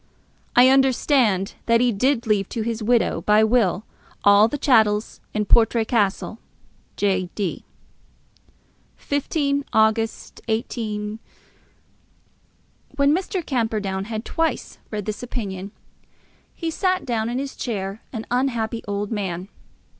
I understand that he did leave to his widow by will all the chattels in Portray Castle. J. D. 15 August, 18 . When Mr. Camperdown had thrice read this opinion, he sat in his chair an unhappy old man.